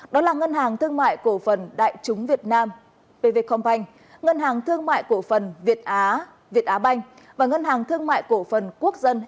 đó là ngân hàng thương mại cổ phần đại chúng việt nam pv companh ngân hàng thương mại cổ phần việt á việt á banh và ngân hàng thương mại cổ phần quốc dân